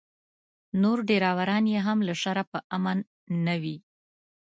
نور ډریوران یې هم له شره په امن نه وي.